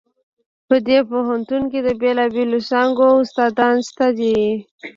په دې پوهنتون کې د بیلابیلو څانګو استادان شته دي